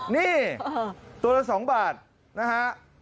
นี่ตัวละ๒บาทนะฮะ